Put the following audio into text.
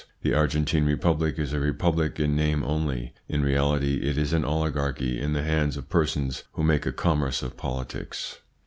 The Argentine Republic is a republic in name only ; in reality it is an oligarchy in the hands of persons who make a commerce of politics."